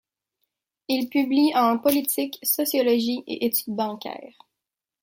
Il publie en politique, sociologie et études bancaires.